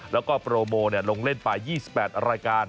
แล้วก็โปรโมเนี่ยลงเล่นปลาย๒๘รายการ